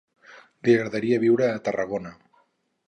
Li agradaria viure a Tarragona.